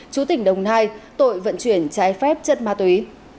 chú tỉnh đồng nai tội vận chuyển trái phép chất ma túy